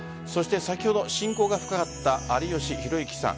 先ほど親交が深かった有吉弘行さん。